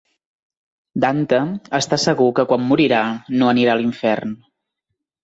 Dante està segur que quan morirà no anirà a l'infern.